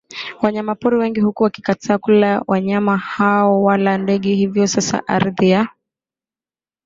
wanyama pori wengi huku wakikataa kula wanyama hao wala ndege Hivyo sasa ardhi ya